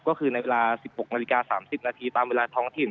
ก็คือในเวลา๑๖นาฬิกา๓๐นาทีตามเวลาท้องถิ่น